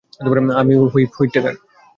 আমি Whip Whitaker.